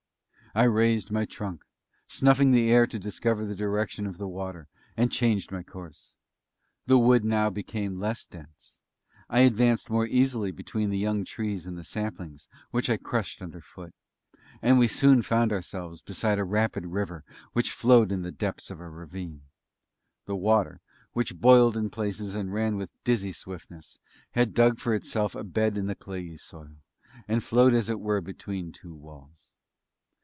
I raised my trunk, snuffing the air to discover the direction of the water, and changed my course. The wood now became less dense; I advanced more easily between the young trees and saplings which I crushed under foot; and we soon found ourselves beside a rapid river which flowed in the depths of a ravine. The water, which boiled in places and ran with a dizzy swiftness, had dug for itself a bed in the clayey soil, and flowed as it were between two walls.